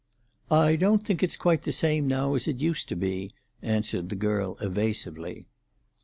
"I don't think it's quite the same now as it used to be," answered the girl evasively.